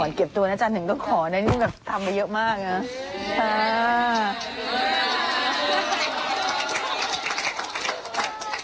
ก่อนเก็บตัวนะจังถึงก็ขอนะนี่ก็แบบทำไปเยอะมากนะ